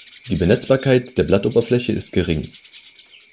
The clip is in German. Die Benetzbarkeit der Blattoberfläche ist gering.